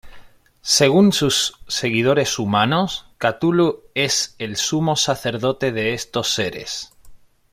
Según sus seguidores humanos, Cthulhu es el sumo sacerdote de estos seres.